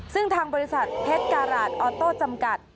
ซึ่งทางบริษัทเพชรการาศออโต้จำกัด